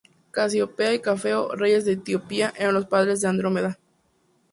Casiopea y Cefeo, reyes de Etiopía eran los padres de Andrómeda.